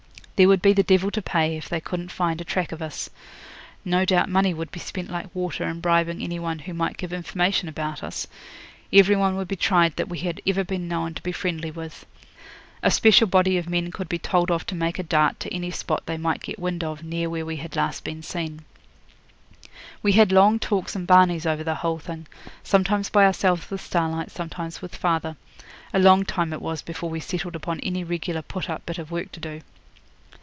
There would be the devil to pay if they couldn't find a track of us. No doubt money would be spent like water in bribing any one who might give information about us. Every one would be tried that we had ever been known to be friendly with. A special body of men could be told off to make a dart to any spot they might get wind of near where we had been last seen. We had long talks and barneys over the whole thing sometimes by ourselves with Starlight, sometimes with father. A long time it was before we settled upon any regular put up bit of work to do.